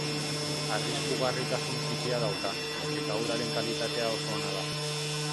Arriskugarritasun txikia dauka, eta uraren kalitatea oso ona da.